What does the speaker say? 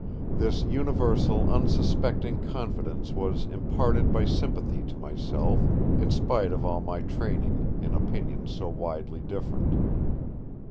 This universal unsuspecting confidence was imparted by sympathy to myself, in spite of all my training in opinions so widely different.